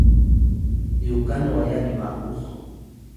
Yukan waya lma’ux